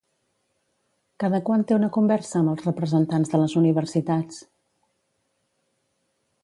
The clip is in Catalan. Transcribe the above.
Cada quant té una conversa amb els representants de les universitats?